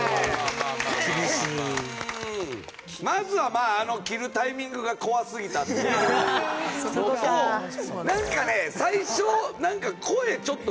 まずはあの切るタイミングが怖すぎたっていうのとなんかね最初。